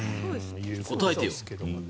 答えてよ。